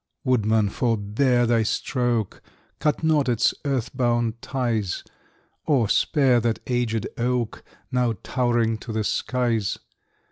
Woodman, forbear thy stroke! Cut not its earth bound ties; Oh, spare that aged oak, Now towering to the skies!